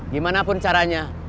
gimana pun caranya